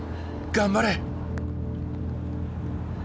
頑張れ！